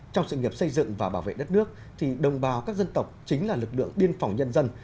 trong sự nghiệp xây dựng và bảo vệ đất nước thì đồng bào các dân tộc chính là lực lượng biên phòng nhân dân